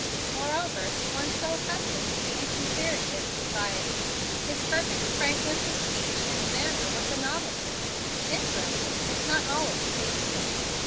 Moreover, to one so accustomed to the insincerity of society, his perfect frankness of speech and manner was a novelty, interesting, if not always pleasing.